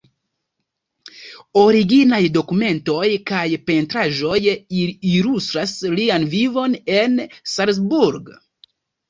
Originaj dokumentoj kaj pentraĵoj ilustras lian vivon en Salzburg.